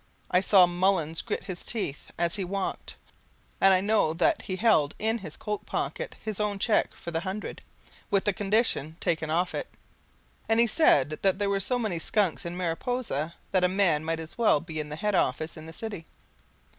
I saw Mullins grit his teeth as he walked, and I know that he held in his coat pocket his own cheque for the hundred, with the condition taken off it, and he said that there were so many skunks in Mariposa that a man might as well be in the Head Office in the city.